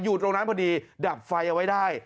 อยู่ตรงนั้นพอดีดับไฟเอาไว้ได้